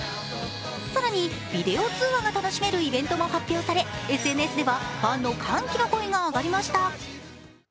更にビデオ通話が楽しめるイベントが発表されＳＮＳではファンの歓喜の声が上がりました。